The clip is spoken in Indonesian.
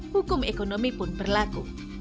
hukum ekonomi pun berlaku